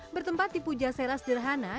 bertempat di puja seras dirhana